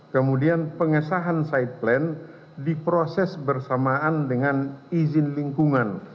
kemudian pengesahan side plan diproses bersamaan dengan izin lingkungan